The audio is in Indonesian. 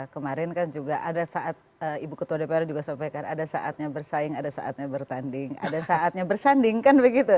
kemarin kan juga ada saat ibu ketua dpr juga sampaikan ada saatnya bersaing ada saatnya bertanding ada saatnya bersanding kan begitu